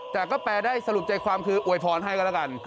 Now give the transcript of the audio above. แต่ก็แปลได้สรุปใจความคืออวยพรให้ก็แล้วกัน